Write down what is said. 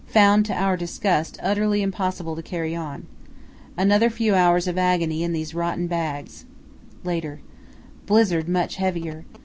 Found to our disgust utterly impossible to carry on. Another few hours of agony in these rotten bags. Later.—Blizzard much heavier.